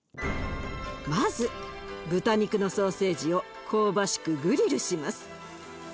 まず豚肉のソーセージを香ばしくグリルします。